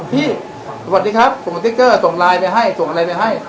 สวัสดีครับส่งสติ๊กเกอร์ส่งไลน์ไปให้ส่งอะไรไปให้